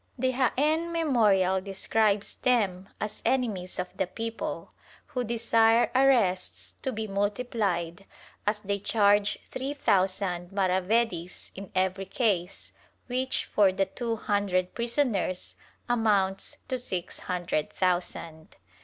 The Jaen memorial describes them as enemies of the people, who desire arrests to be multiplied, as they charge three thousand maravedis in every case which, for the two hundred prisoners, amounts to six hundred thousand.